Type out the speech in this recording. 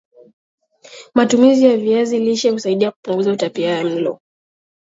matumizi ya viazi lishe husaidia kupunguza utapiamlo